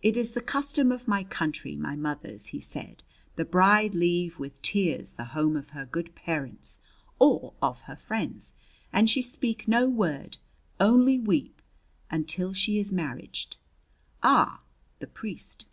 "It is the custom of my country, my mothers," he said. "The bride leave with tears the home of her good parents or of her friends; and she speak no word only weep until she is marriaged. Ah the priest!"